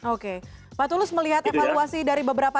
oke pak tulus melihat evaluasi dari beberapa